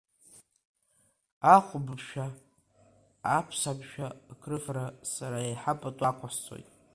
Ахә мшәа, аԥса мшәа акрыфара сара еиҳа пату ақәсҵоит.